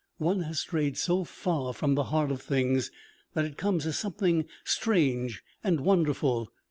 One has strayed so far from the heart of things, that it comes as something strange and wonderful!